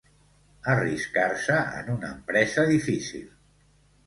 Arriscar-se en una empresa difícil.